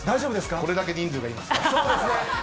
これだけ人数がいますから。